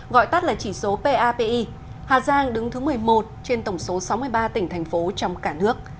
gọi tắt là chỉ số papi hà giang đứng thứ một mươi một trên tổng số sáu mươi ba tỉnh thành phố trong cả nước